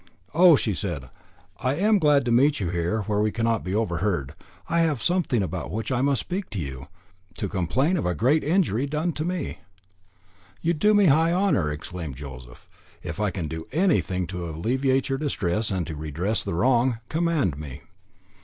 "Oh!" she said, "I am glad to meet you here where we cannot be overheard. I have something about which I must speak to you, to complain of a great injury done to me." "You do me a high honour," exclaimed Joseph. "If I can do anything to alleviate your distress and to redress the wrong, command me."